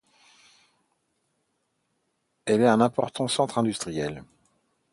Elle est un important centre industriel.